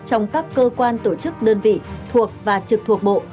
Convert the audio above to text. trong các cơ quan tổ chức đơn vị thuộc và trực thuộc bộ